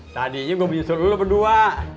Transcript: tadinya gue menyusul lu berdua